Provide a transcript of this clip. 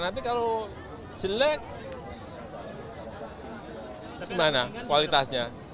nanti kalau jelek gimana kualitasnya